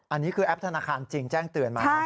อันนี้คือแอปธนาคารจริงแจ้งเตือนมา